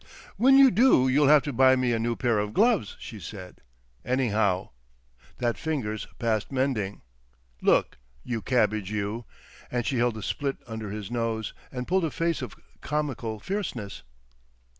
"When you do you'll have to buy me a new pair of gloves," she said, "anyhow. That finger's past mending. Look! you Cabbage—you." And she held the split under his nose, and pulled a face of comical fierceness.